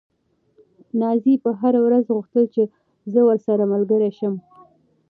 نازيې به هره ورځ غوښتل چې زه ورسره ملګرې شم.